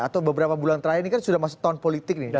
atau beberapa bulan terakhir ini kan sudah masuk tahun politik nih